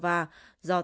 và nga do tỷ phú